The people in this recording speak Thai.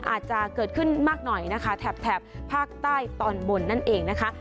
อาจจะเกิดขึ้นมากหน่อยนะคะแถบภาคใต้ตอนบนนั่นเองนะคะ